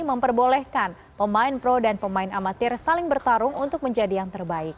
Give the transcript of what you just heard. memperbolehkan pemain pro dan pemain amatir saling bertarung untuk menjadi yang terbaik